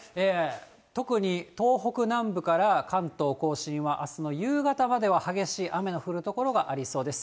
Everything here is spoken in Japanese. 特に、東北南部から関東甲信は、あすの夕方までは激しい雨の降る所がありそうです。